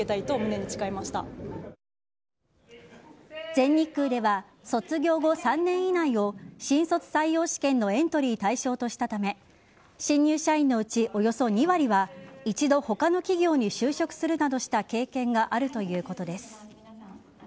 全日空では卒業後３年以内を新卒採用試験のエントリー対象としたため新入社員のうちおよそ２割は一度他の企業に就職するなどした経験があるということです。